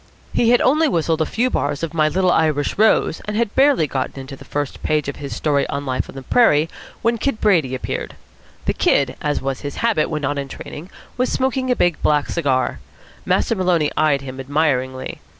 He had only whistled a few bars of "My Little Irish Rose," and had barely got into the first page of his story of life on the prairie when Kid Brady appeared. The Kid, as was his habit when not in training, was smoking a big black cigar. Master Maloney eyed him admiringly.